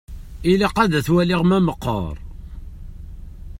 Ilaq ad t-waliɣ ma meqqer.